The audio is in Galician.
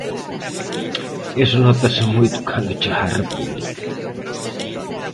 Iso nótase moito cando chega a República.